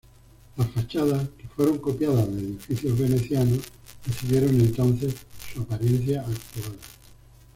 Las fachadas, que fueron copiadas de edificios venecianos, recibieron entonces su apariencia actual.